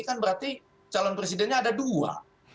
kan berarti calon presidennya ada dua